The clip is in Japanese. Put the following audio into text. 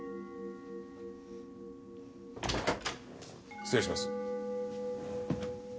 失礼します。